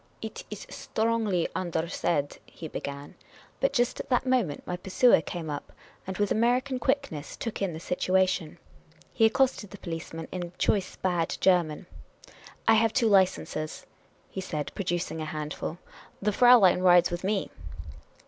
" It is strongly undersaid," he began, but just at that moment my pursuer came up, and, with American quickness, took in the situa tion. He accosted the policeman in choice bad German. '' I have two licenses, '' he said, producing a handful. '' The Fraulein rides with me.